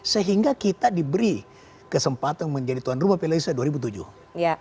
sehingga kita diberi kesempatan menjadi tuan rumah piala indonesia dua ribu tujuh